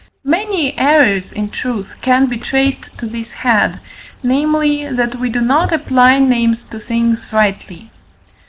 Many errors, in truth, can be traced to this head, namely, that we do not apply names to things rightly.